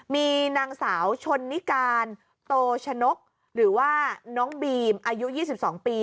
มีนางสาวชนนิการโตชนกหรือว่าน้องบีมอายุ๒๒ปี